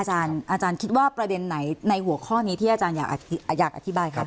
อาจารย์คิดว่าประเด็นไหนในหัวข้อนี้ที่อาจารย์อยากอธิบายคะ